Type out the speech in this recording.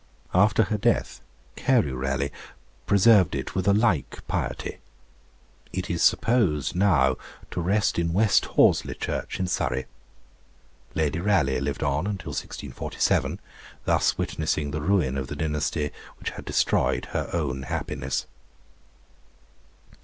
After her death, Carew Raleigh preserved it with a like piety. It is supposed now to rest in West Horsley church in Surrey. Lady Raleigh lived on until 1647, thus witnessing the ruin of the dynasty which had destroyed her own happiness.